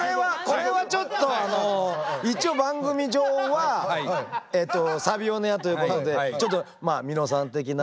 これはちょっとあの一応番組上は「サビオネア」ということでちょっとみのさん的な。